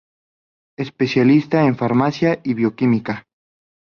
Especialista en farmacia y bioquímica.